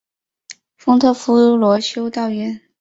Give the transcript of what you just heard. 丰特夫罗修道院。